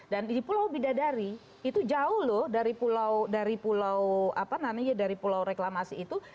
dan di pulau bidadari itu jauh loh dari pulau reklamasi itu